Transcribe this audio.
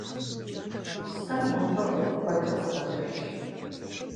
Сэ нобэ ӏуэху куэд къыспэщылъщ.